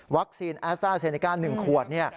วัคซีนแอสเตอร์เซเนกาหนึ่งขวด